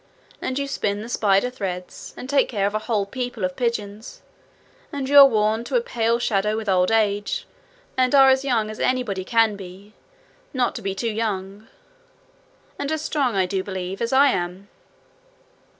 And you spin the spider threads, and take care of a whole people of pigeons; and you are worn to a pale shadow with old age; and are as young as anybody can be, not to be too young; and as strong, I do believe, as I am.'